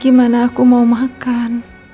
gimana aku mau makan